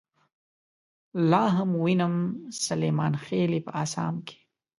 لاهم وينم سليمانخيلې په اسام کې